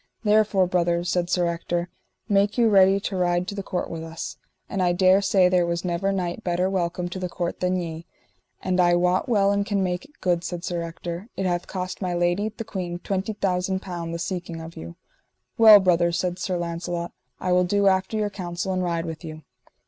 Therefore brother, said Sir Ector, make you ready to ride to the court with us, and I dare say there was never knight better welcome to the court than ye; and I wot well and can make it good, said Sir Ector, it hath cost my lady, the queen, twenty thousand pound the seeking of you. Well brother, said Sir Launcelot, I will do after your counsel, and ride with you.